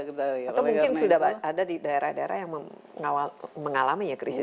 atau mungkin sudah ada di daerah daerah yang mengalami krisis